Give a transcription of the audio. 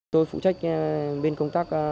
tôi phụ trách bên công tác